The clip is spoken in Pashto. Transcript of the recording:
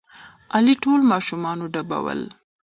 علي ټول ماشومان وډبول.